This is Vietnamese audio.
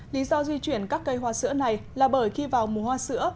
lý do di chuyển các cây hoa sữa này là bởi khi vào mùa hoa sữa